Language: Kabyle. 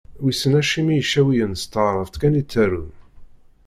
Wissen acimi Icawiyen s taɛrabt kan i ttarun.